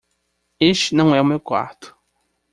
Este não é o meu quarto.